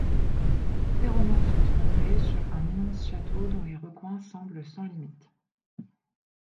Ces romans sont centrés sur un immense château dont les recoins semblent sans limites.